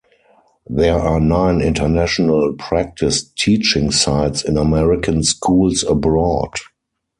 There are nine international practice teaching sites in American schools abroad.